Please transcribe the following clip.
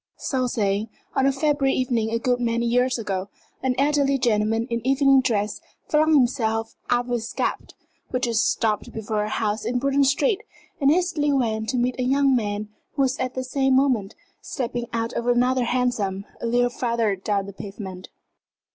So saying on a February evening a good many years ago an elderly gentleman in evening dress flung himself out of his cab, which had just stopped before a house in Bruton Street, and hastily went to meet a young man who was at the same moment stepping out of another hansom a little farther down the pavement.